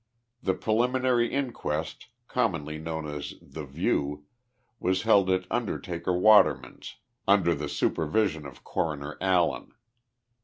The preliminary inquest, commonly known as the view, was * held at Undertaker Waterman's, under the supervision of Coro ner Allen.